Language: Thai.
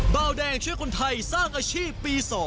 เบาแดงช่วยคนไทยสร้างอาชีพปี๒